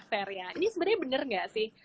ferya ini sebenernya bener gak sih